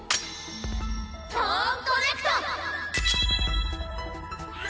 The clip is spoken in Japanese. トーンコネクト！